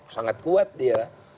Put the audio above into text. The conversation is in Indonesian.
sangat kuat dia